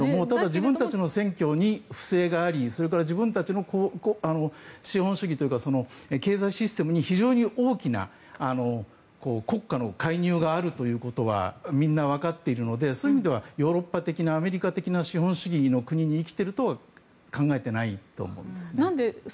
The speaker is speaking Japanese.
ただ、自分たちの選挙に不正がありそれから自分たちの資本主義に経済システムに非常に大きな国家の介入があるということはみんなわかっているのでそういう意味ではヨーロッパ的な、アメリカ的な資本主義の国に生きているとは考えていないと思うんですね。